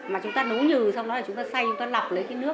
mà chúng ta nấu nhừ xong rồi chúng ta xay chúng ta lọc lấy cái nước